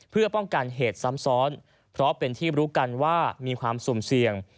เพื่อป้องกันเหตุซ้ำซ้อนเพราะเป็นที่รู้กันว่ามีความสุ่มเสี่ยง